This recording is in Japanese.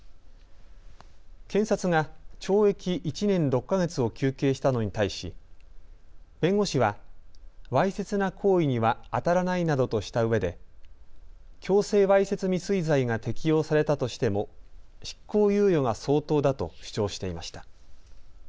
検察が懲役１年６か月を求刑したのに対し弁護士は、わいせつな行為にはあたらないなどとしたうえで強制わいせつ未遂罪が適用されたとしても執行猶予が相当だと主張していました。